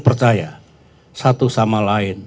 percaya satu sama lain